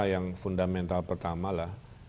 yang fundamental pertama lah